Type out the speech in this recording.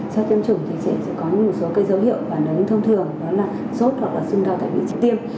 sau tiêm chủng thì sẽ có một số cái dấu hiệu và nếu thông thường đó là sốt hoặc là sung đau tại vị trí tiêm